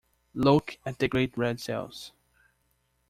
Look at the great red sails!